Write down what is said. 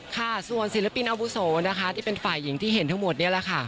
ค่ะส่วนศิลปินอาวุโสนะคะที่เป็นฝ่ายหญิงที่เห็นทั้งหมดนี้แหละค่ะ